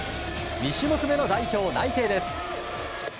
２種目めの代表内定です。